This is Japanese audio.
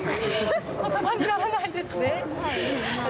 言葉にならないんですね。